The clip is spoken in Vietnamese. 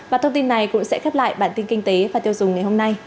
và thông tin này cũng sẽ khép lại bản tin kinh tế và tiêu dùng ngày hôm nay